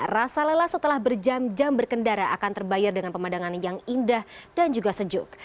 rasa lelah setelah berjam jam berkendara akan terbayar dengan pemandangan yang indah dan juga sejuk